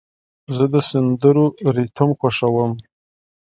زه د سندرو ریتم خوښوم.